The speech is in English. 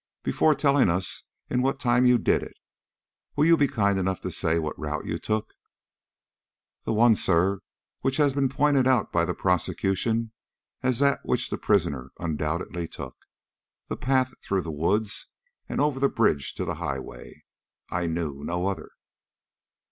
Before telling us in what time you did it, will you be kind enough to say what route you took?" "The one, sir, which has been pointed out by the prosecution as that which the prisoner undoubtedly took the path through the woods and over the bridge to the highway. I knew no other."